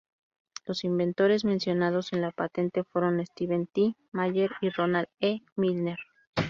Los inventores mencionados en la patente fueron Steven T. Mayer y Ronald E. Milner.